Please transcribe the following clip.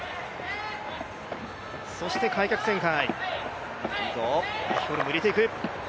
そして開脚旋回。